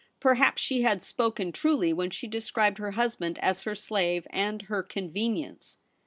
Perhaps she had spoken truly when she described her husband as her slave and her convenience.